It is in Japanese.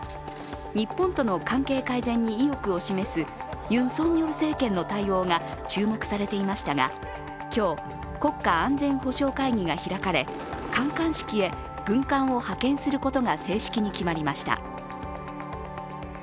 日本との関係改善に意欲を示すユン・ソンニョル政権の対応が注目されていましたが今日、国家安全保障会議が開かれ、観艦式へ軍艦を派遣することが正式に決まりました。